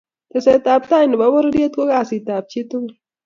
teset ab tai ne bo pororiet ko kasit ab chi tugul.